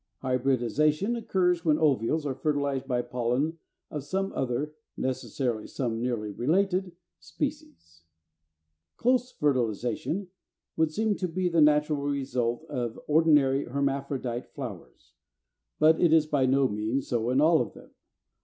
Hybridization occurs when ovules are fertilized by pollen of some other (necessarily some nearly related) species. 332. =Close Fertilization= would seem to be the natural result in ordinary hermaphrodite flowers; but it is by no means so in all of them.